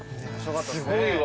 すごいわ。